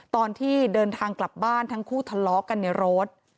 ตอนที่เดินทางกลับบ้านทั้งคู่ทะเลาะกันในรถ